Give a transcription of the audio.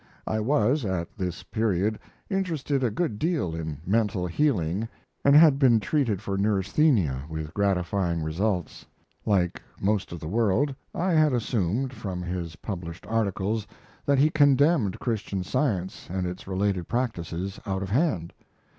I was at this period interested a good deal in mental healing, and had been treated for neurasthenia with gratifying results. Like most of the world, I had assumed, from his published articles, that he condemned Christian Science and its related practices out of hand.